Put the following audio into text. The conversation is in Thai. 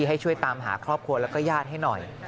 ให้ช่วยตามหาครอบครัวแล้วก็ญาติให้หน่อย